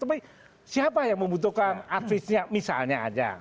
tapi siapa yang membutuhkan advisnya misalnya aja